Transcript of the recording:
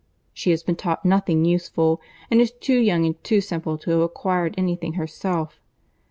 She has been taught nothing useful, and is too young and too simple to have acquired any thing herself.